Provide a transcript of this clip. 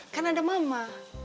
kan ada mama